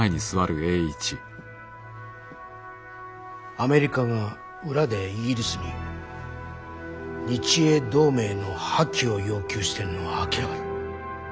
アメリカが裏でイギリスに日英同盟の破棄を要求してるのは明らかだ。